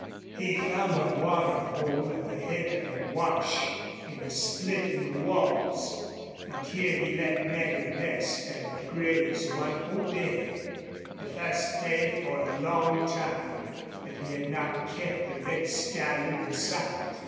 He found a water hole at the head of a wash in a split in the walls, and here he let Nagger rest and graze one whole day the first day for a long time that he had not kept the red stallion in sight.